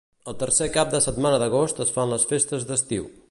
El tercer cap de setmana d'agost es fan les festes d'estiu.